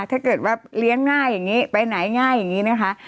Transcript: ถ้าเกิดว่าเลี้ยงง่ายอย่างนี้ไปไหนง่ายอย่างนี้นะคะ